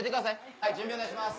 はい準備お願いします。